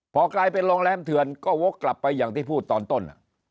พอกลายเป็นโรงแรมเถื่อนก็วกกลับไปอย่างที่พูดตอนต้น